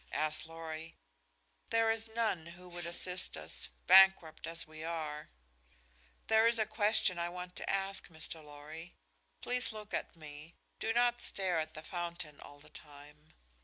asked Lorry. "There is none who would assist us, bankrupt as we are. There is a question I want to ask, Mr. Lorry. Please look at me do not stare at the fountain all the time.